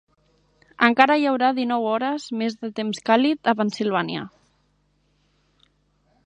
Encara hi haurà dinou hores més de temps càlid a Pennsilvània